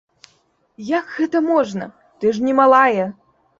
Як гэта можна, ты ж не малая!